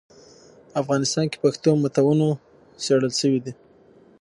افغانستان کي پښتو متونو څېړل سوي دي.